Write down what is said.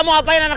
bella bangun brb